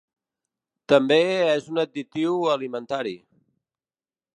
També és un additiu alimentari.